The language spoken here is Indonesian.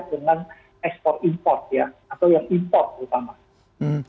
atau yang import terutama